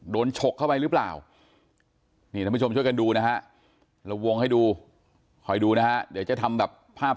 ฉกเข้าไปหรือเปล่านี่ท่านผู้ชมช่วยกันดูนะฮะเราวงให้ดูคอยดูนะฮะเดี๋ยวจะทำแบบภาพ